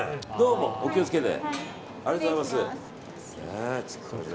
お気を付けて。